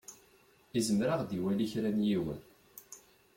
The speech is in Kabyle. Izmer ad ɣ-d-iwali kra n yiwen.